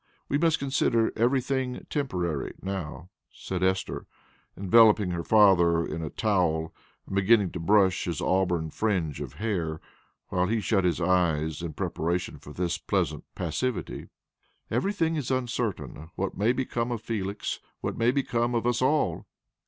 We must consider everything temporary now," said Esther, enveloping her father in a towel, and beginning to brush his auburn fringe of hair, while he shut his eyes in preparation for this pleasant passivity. "Everything is uncertain what may become of Felix what may become of us all.